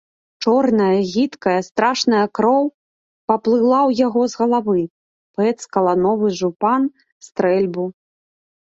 Чорная, гідкая, страшная кроў паплыла ў яго з галавы, пэцкала новы жупан, стрэльбу.